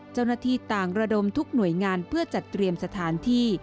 เจ้าหน้าที่ต่างระดมทุกหน่วยงานเพื่อจัดเตรียมสถานที่